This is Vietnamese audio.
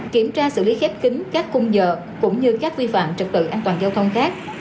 kiểm tra xử lý khép kính các cung giờ cũng như các vi phạm trực tự an toàn giao thông khác